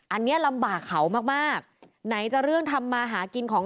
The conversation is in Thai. อันนี้ลำบากเขามากมากไหนจะเรื่องทำมาหากินของ